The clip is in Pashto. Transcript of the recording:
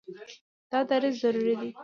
دا دریځ ضروري دی.